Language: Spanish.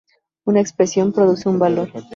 Una expresión produce un valor.